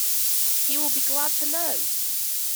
He will be glad to know!